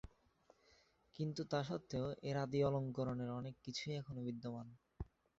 কিন্তু তা সত্ত্বেও এর আদি অলংকরণের অনেক কিছুই এখনও বিদ্যমান।